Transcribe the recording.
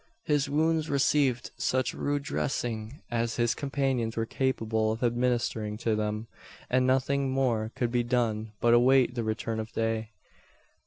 His wounds received such rude dressing as his companions were capable of administering to them; and nothing more could be done but await the return of day.